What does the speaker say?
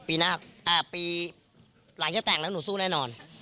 ปีหลังจะแต่งแล้วหนูสู้แน่นอน